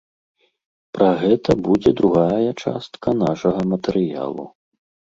Пра гэта будзе другая частка нашага матэрыялу.